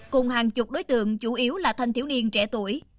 cùng hàng chục đối tượng chủ yếu là thanh thiếu niên trẻ tuổi